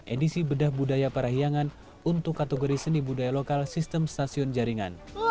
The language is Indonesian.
edisi bedah budaya parahiangan untuk kategori seni budaya lokal sistem stasiun jaringan